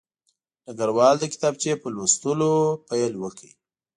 ډګروال د کتابچې په لوستلو پیل وکړ